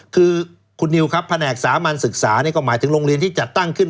คือคุณนิวครับแผนกสามัญศึกษานี่ก็หมายถึงโรงเรียนที่จัดตั้งขึ้น